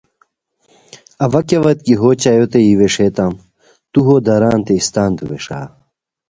اوا کیاوت کی ہو چایوتے یی ویݰیتام تو ہو دارانتے اِستانتو ویݰا